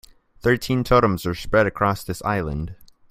Thirteen totems were spread across this island.